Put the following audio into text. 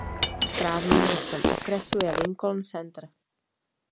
Správním městem okresu je Lincoln Center.